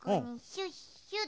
シュッシュッ。